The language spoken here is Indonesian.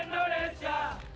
kita adalah terbaik di indonesia